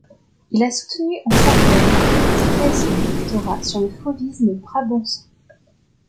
Il a soutenu en Sorbonne sa thèse de doctorat sur le fauvisme brabançon.